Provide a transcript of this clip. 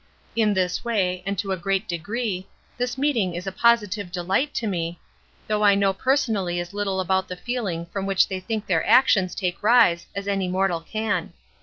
In this way, and to a great degree, this meeting is a positive delight to me, though I know personally as little about the feeling from which they think their actions take rise as any mortal can.